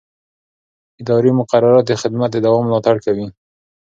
اداري مقررات د خدمت د دوام ملاتړ کوي.